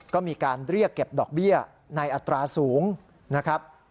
ก็มีการเรียกเก็บดอกเบี้ยในอัตราสูงนะครับ